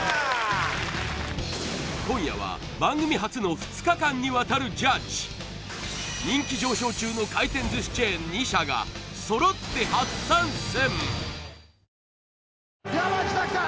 今夜は番組初の２日間にわたるジャッジ人気上昇中の回転寿司チェーン２社が揃って初参戦